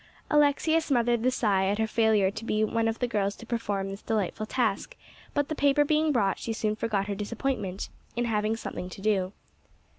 Alexia smothered the sigh at her failure to be one of the girls to perform this delightful task; but the paper being brought, she soon forgot her disappointment, in having something to do.